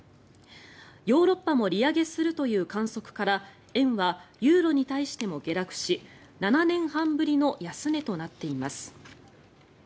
ヨーロッパも利上げするという観測から円はユーロに対しても下落し７年半ぶりの安値となっています。